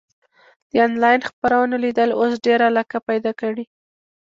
د انلاین خپرونو لیدل اوس ډېره علاقه پیدا کړې.